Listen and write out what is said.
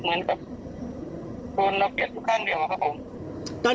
อีกอย่างคนที่ไม่มีสติ๊กเกอร์เขาก็ขาย